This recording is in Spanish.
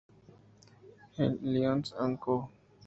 J. Lyons and Co.